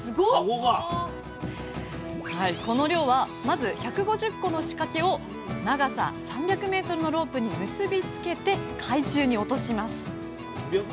この漁はまず１５０個の仕掛けを長さ３００ｍのロープに結び付けて海中に落とします。